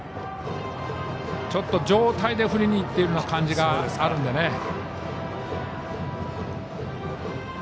上体で振りにいっている感じがあるのでね。